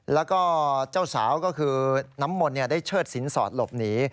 แล้วก็เจ้าสาวก็คือน้ำมนต์ได้เชิดสินสอดหลบหนี